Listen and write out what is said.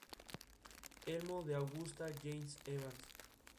En ellas la letra Z se corresponde con la S marcada.